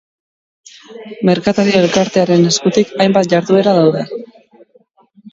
Merkatari elkartearen eskutik hainbat jarduera daude.